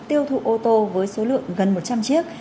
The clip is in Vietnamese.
tiêu thụ ô tô với số lượng gần một trăm linh chiếc